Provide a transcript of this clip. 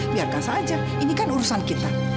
biarkan saja ini kan urusan kita